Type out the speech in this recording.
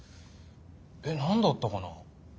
えっ何だったかな？